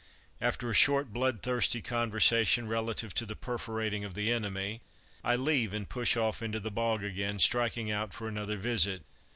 After a short, blood thirsty conversation relative to the perforating of the enemy, I leave and push off into the bog again, striking out for another visit.